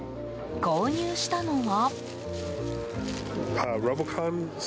購入したのは。